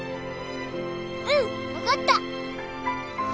うん！分かった！